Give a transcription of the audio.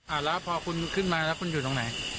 อาแล้วคุณอาจจะขึ้นตรงไหน